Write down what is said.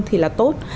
thì là tôi đọc